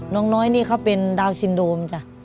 น้องน้อยนี่เขาเป็นดาวนซินโดมจ้ะ